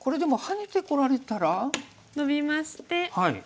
ノビまして。